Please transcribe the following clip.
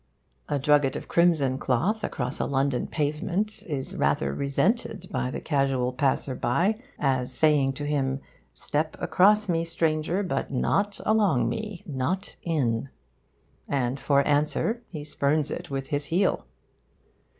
A drugget of crimson cloth across a London pavement is rather resented by the casual passer by, as saying to him 'Step across me, stranger, but not along me, not in!' and for answer he spurns it with his heel.